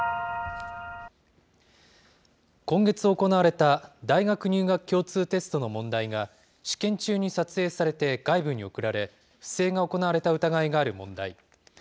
今月行われた大学入学共通テストの問題が、試験中に撮影されて外部に送られ、不正が行われた疑いがある問題。